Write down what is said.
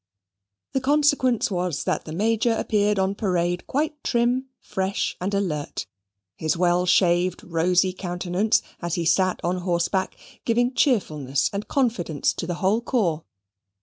The consequence was, that the Major appeared on parade quite trim, fresh, and alert, his well shaved rosy countenance, as he sate on horseback, giving cheerfulness and confidence to the whole corps.